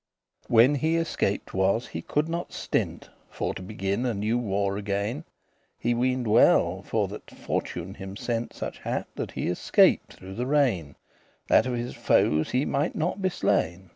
When he escaped was, he could not stint* *refrain For to begin a newe war again; He weened well, for that Fortune him sent Such hap, that he escaped through the rain, That of his foes he mighte not be slain.